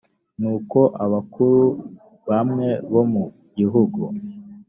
nuko abakuru bamwe bo mu gihugu